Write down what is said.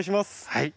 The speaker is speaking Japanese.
はい。